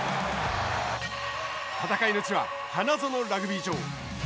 戦いの地は花園ラグビー場。